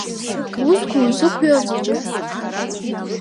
Узқәа узықәио аӡаҿы?